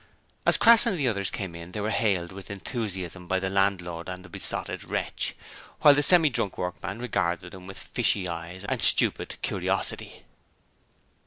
As Crass and the others came in they were hailed with enthusiasm by the landlord and the Besotted Wretch, while the semi drunk workman regarded them with fishy eyes and stupid curiosity.